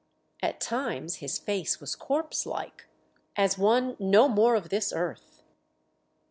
At times his face was corpse like, as one no more of this earth.